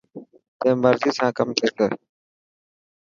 تيان مرضي سان ڪم ٿيسي.